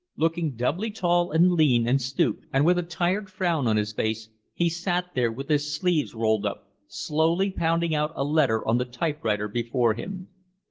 Looking doubly tall and lean and stooped, and with a tired frown on his face, he sat there with his sleeves rolled up slowly pounding out a letter on the typewriter before him.